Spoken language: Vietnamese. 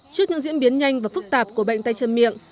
trước những diễn biến nhanh và phức tạp của bệnh tay chân miệng